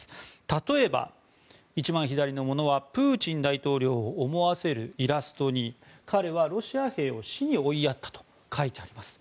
例えば、一番左のものはプーチン大統領を思わせるイラストに彼はロシア兵を死に追いやったと書いてあります。